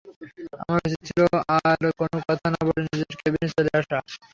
আমার উচিত ছিল আর কোনো কথা না বলে নিজের কেবিনে চলে আসা।